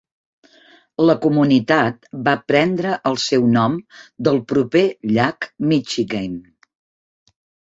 La comunitat va prendre el seu nom del proper llac Michigamme.